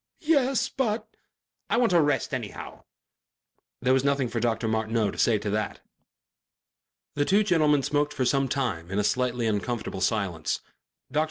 "Yes, but " "I want a rest anyhow...." There was nothing for Dr. Martineau to say to that. The two gentlemen smoked for some time in a slightly uncomfortable silence. Dr.